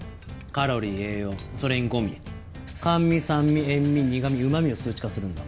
カロリー栄養それに五味甘味酸味塩味苦味旨味を数値化するんだ。